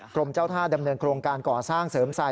กรมเจ้าท่าดำเนินโครงการก่อสร้างเสริมใส่